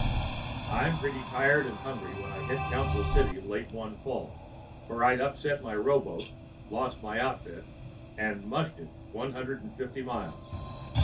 "I'm pretty tired and hungry when I hit Council City late one fall, for I'd upset my rowboat, lost my outfit, and 'mushed' it one hundred fifty miles.